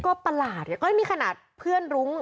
ก็ประหลาดเนี่ยก็ไม่มีขนาดเพื่อนรุ้ง